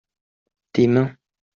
tes mains.